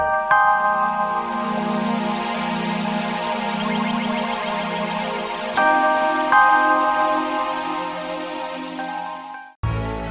mas ownsruck dah keluar